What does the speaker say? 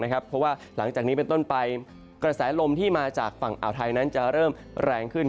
เพราะว่าหลังจากนี้เป็นต้นไปกระแสลมที่มาจากฝั่งอ่าวไทยนั้นจะเริ่มแรงขึ้น